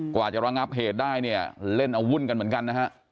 กว่าจะรังงับเหตุได้เล่นอาวุธกันเหมือนกัน